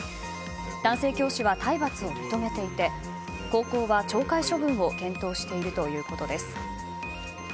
男性教師は体罰を認めていて高校は懲戒処分を検討しているということです。